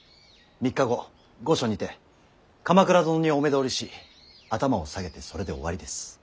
３日後御所にて鎌倉殿にお目通りし頭を下げてそれで終わりです。